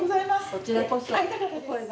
こちらこそ。